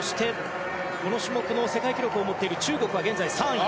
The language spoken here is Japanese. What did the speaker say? この種目の世界記録を持っている中国は現在３位。